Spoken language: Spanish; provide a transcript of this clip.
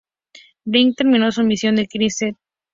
Bligh terminó su misión en Kingstown, St.